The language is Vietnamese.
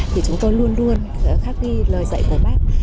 thì chúng tôi luôn luôn khắc ghi lời dạy của bác